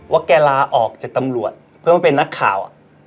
แกลาออกจากตำรวจเพื่อมาเป็นนักข่าว